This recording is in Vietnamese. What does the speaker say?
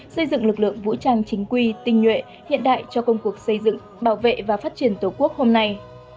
xây dựng lực lượng vũ trang chính quy tinh nhuệ hiện đại cho công cuộc xây dựng bảo vệ và phát triển tổ quốc hôm nay